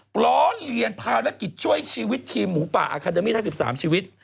หลอดเรียนภารกิจช่วยชีวิตทีมหูป่าอาร์คาเดมีส์เท่า๑๓ชีวิต